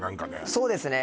そうですね